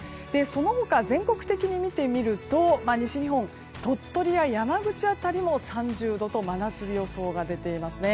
その他全国的に見てみると西日本、鳥取や山口辺りでも３０度と真夏日予想が出ていますね。